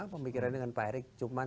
pemikiran dengan pak erick cuma